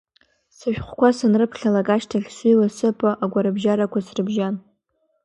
Сышәҟәқәа санрыԥхьалак ашьҭахь, сыҩуа сыԥо агәарабжьарақәа срыбжьан.